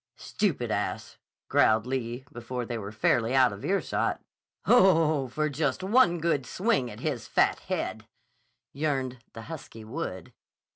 "Stupid ass!" growled Lee before they were fairly out of earshot. "Oh, for just one good swing at his fat head," yearned the husky Wood.